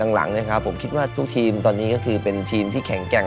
หลังนะครับผมคิดว่าทุกทีมตอนนี้ก็คือเป็นทีมที่แข็งแกร่ง